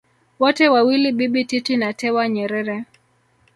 wote wawili Bibi Titi na Tewa Nyerere